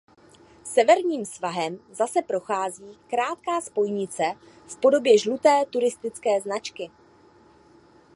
Severním svahem zase prochází krátká spojnice v podobě žluté turistické značky.